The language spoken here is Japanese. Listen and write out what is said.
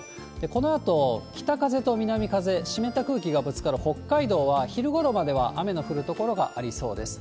このあと、北風と南風、湿った空気がぶつかる北海道は昼ごろまでは雨の降る所がありそうです。